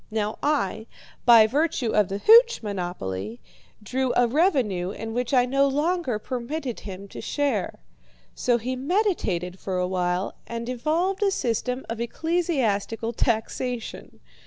Now I, by virtue of the hooch monopoly, drew a revenue in which I no longer permitted him to share. So he meditated for a while and evolved a system of ecclesiastical taxation.